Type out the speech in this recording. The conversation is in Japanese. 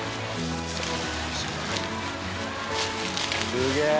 すげえ！